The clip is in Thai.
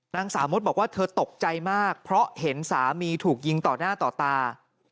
นางสาวมดบอกว่าเธอตกใจมากเพราะเห็นสามีถูกยิงต่อหน้าต่อตา